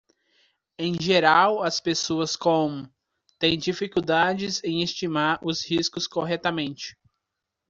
Em geral, as pessoas com? têm dificuldades em estimar os riscos corretamente.